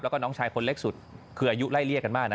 แล้วก็น้องชายคนเล็กสุดคืออายุไล่เรียกกันมากนะ